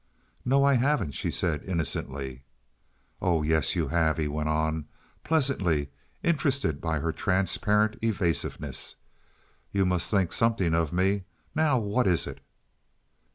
"No, I haven't," she said, innocently. "Oh yes, you have," he went on, pleasantly, interested by her transparent evasiveness. "You must think something of me. Now, what is it?"